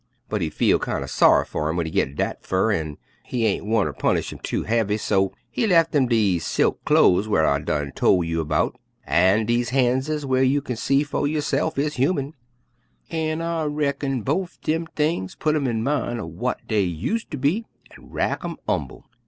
But He feel kind er saw'y fer 'em w'en He git dat fur, an' He ain' wanter punish 'em too haivy, so He lef 'em dese silk clo'es whar I done tol' you 'bout, an' dese han's whar you kin see fer yo'se'fs is human, an' I reckon bofe dem things putt 'em in min' er w'at dey useter be an' rack 'em 'umble.